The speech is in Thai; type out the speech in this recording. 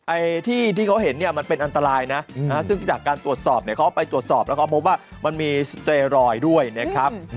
ไอ้ที่ที่เขาเห็นเนี่ยมันเป็นอันตรายนะซึ่งจากการตรวจสอบเนี่ยเขาไปตรวจสอบแล้วก็พบว่ามันมีสเตรรอยด์ด้วยนะครับ